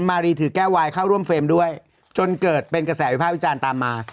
มารีถือแก้ววายเข้าร่วมเฟรมด้วยจนเกิดเป็นกระแสวิภาพวิจารณ์ตามมา